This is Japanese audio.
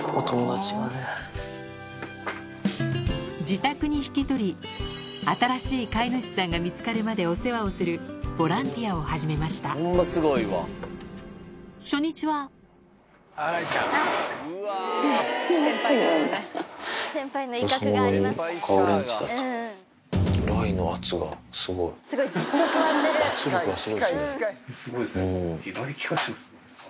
自宅に引き取り新しい飼い主さんが見つかるまでお世話をするボランティアを始めました初日は圧力がすごいですね。